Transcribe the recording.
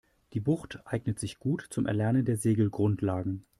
Die Bucht eignet sich gut zum Erlernen der Segelgrundlagen.